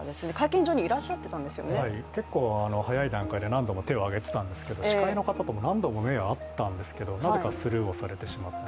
結構早い段階で何度も手を挙げていたんですけれども、司会者の方と目も合ったんですがなぜかスルーされてしまった。